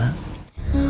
soalnya belum dapet izin